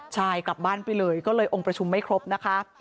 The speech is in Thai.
ใช่กลับบ้านไปเลยก็เลยองค์ประชุมไม่ครบนะคะ